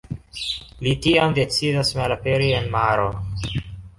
Li tiam decidas malaperi en maro.